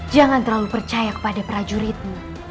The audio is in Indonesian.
jangan terlalu percaya kepada prajuritmu